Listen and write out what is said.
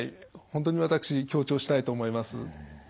本当に私強調したいと思います。